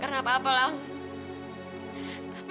waduh buah apaan nih ma